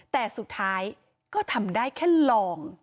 แต่สุดท้ายก็ทำได้แค่ลอง